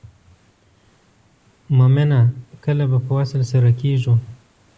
مومنه کله به په وصل سره کیږو.